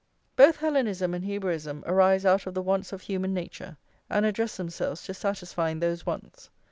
+ Both Hellenism and Hebraism arise out of the wants of human nature, and address themselves to satisfying those wants.